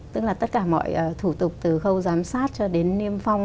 tức là tất cả mọi thủ tục từ khâu giám sát cho đến niêm phong